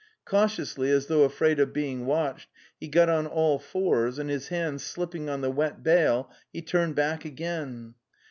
Cautiously, as though afraid of being watched, he got on all fours, and his hands slipping on the wet bale, he turned back again.